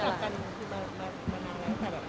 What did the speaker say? รู้จักกันมานานแล้วค่ะแบบ